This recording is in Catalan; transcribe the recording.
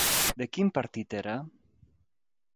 De quin partit era?